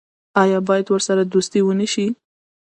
آیا باید ورسره دوستي ونشي؟